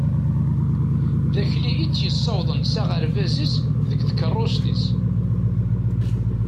D Akli i tt-yessawaḍen s aɣerbaz-is deg tkarust-is.